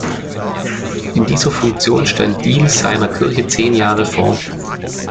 In dieser Funktion stand Diehl seiner Kirche zehn Jahre vor.